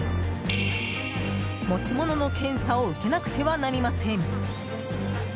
持ち物の検査を受けなくてはなりません。